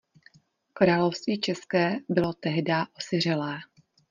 Království české bylo tehdá osiřelé.